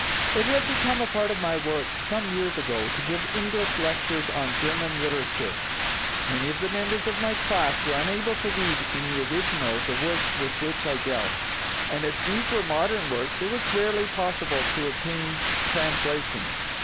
It had become a part of my work, some years ago, to give English lectures on German literature. Many of the members of my class were unable to read in the original the works with which I dealt, and as these were modern works it was rarely possible to obtain translations.